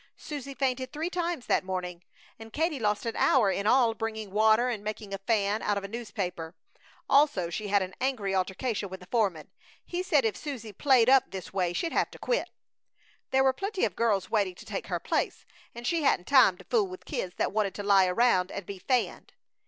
Susie fainted three times that morning, and Katie lost an hour in all, bringing water and making a fan out of a newspaper. Also she had an angry altercation with the foreman. He said if Susie "played up" this way she'd have to quit; there were plenty of girls waiting to take her place, and he hadn't time to fool with kids that wanted to lie around and be fanned.